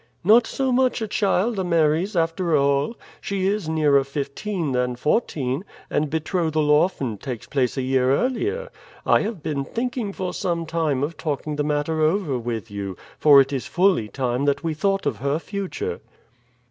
"Not so much a child, Ameres, after all. She is nearer fifteen than fourteen, and betrothal often takes place a year earlier. I have been thinking for some time of talking the matter over with you, for it is fully time that we thought of her future."